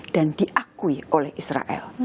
dan diakui oleh israel